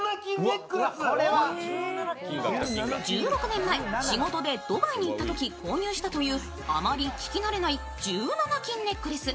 １６年前、仕事でドバイに行ったとき購入したというあまり聞き慣れない１７金ネックレス。